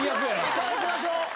さあいきましょう。